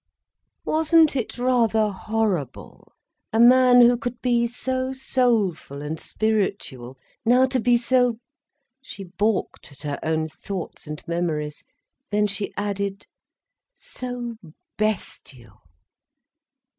Wasn't it rather horrible, a man who could be so soulful and spiritual, now to be so—she balked at her own thoughts and memories: then she added—so bestial?